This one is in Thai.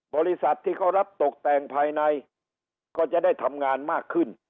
บริษัทที่เขารับตกแต่งภายในก็จะได้ทำงานมากขึ้น